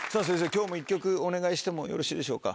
今日も１曲お願いしてもよろしいでしょうか。